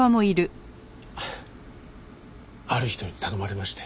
ある人に頼まれまして。